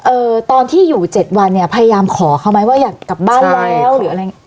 เอ่อตอนที่อยู่เจ็ดวันเนี่ยพยายามขอเขาไหมว่าอยากกลับบ้านแล้วหรืออะไร